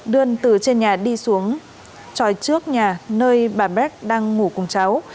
đươn từ trên nhà đi xuống tròi trước nhà nơi bà bac đang ngủ cùng cháu